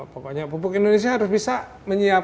pokoknya pupuk indonesia harus bisa menyiapkan